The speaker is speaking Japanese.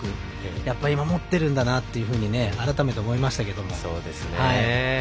やっぱり今、持ってるんだなと改めて思いましたけれども。